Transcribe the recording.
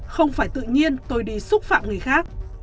không phải tự nhiên tôi đi xúc phạm người khác